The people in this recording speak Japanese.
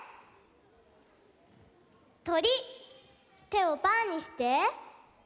てをパーにして。